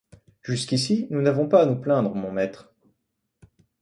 Jusqu’ici, nous n’avons pas à nous plaindre, mon maître.